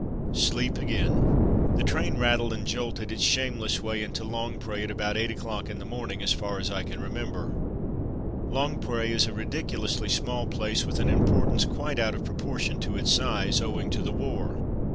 ... Sleep again. The train rattled and jolted its shameless way into Longpre at about 8 o'clock in the morning, as far as I can remember. Longpre is a ridiculously small place with an importance quite out of proportion to its size, owing to the war.